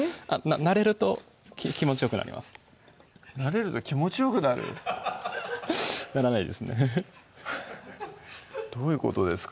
慣れると気持ちよくなります慣れると気持ちよくなる？ならないですねどういうことですか？